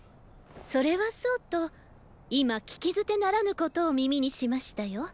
それはそうと今聞き捨てならぬことを耳にしましたよ。